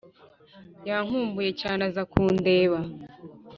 Yankumbuye cyane aza kundeba